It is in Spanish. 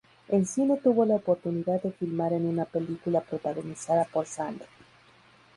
En cine tuvo la oportunidad de filmar en una película protagonizada por Sandro.